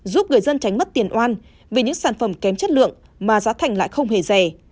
giúp người dân tránh mất tiền oan vì những sản phẩm kém chất lượng mà giá thành lại không hề rẻ